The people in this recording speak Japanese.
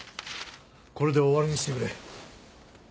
これで終わりにしてくれ